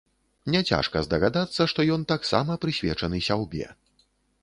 Няцяжка здагадацца, што ён таксама прысвечаны сяўбе.